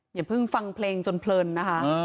อย่าเพิ่งฟังเพลงจนเพลินนะคะ